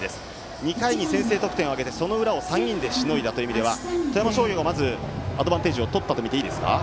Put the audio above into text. ２回に先制得点を挙げてその裏を３人でしのいだということで富山商業はまずアドバンテージをとったとみていいですかね。